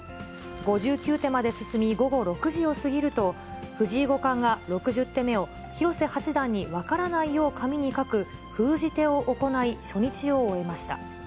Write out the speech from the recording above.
５９手まで進み、午後６時を過ぎると、藤井五冠が６０手目を、広瀬八段に分からないよう紙に書く、封じ手を行い、初日を終えました。